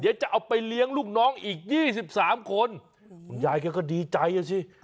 เดี๋ยวจะเอาไปเลี้ยงลูกน้องอีก๒๓คนคุณยายแกก็ดีใจอ่ะสิ